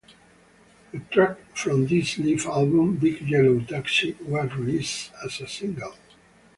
A track from this live album, "Big Yellow Taxi", was released as a single.